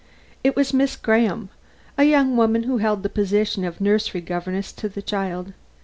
It was Miss Graham, a young woman who held the position of nursery governess to the child.